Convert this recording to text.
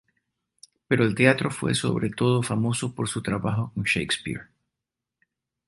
Pero el teatro fue sobre todo famoso por su trabajo con Shakespeare.